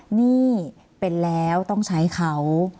หนี้เป็นแล้วต้องใช้เขา